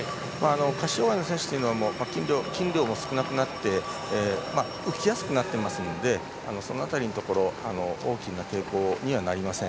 下肢障がいの選手は筋量も少なくなって浮きやすくなっているのでその辺りのところ大きな抵抗にはなりません。